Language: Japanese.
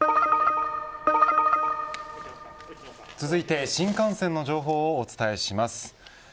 続いて新幹線の情報をお伝えします。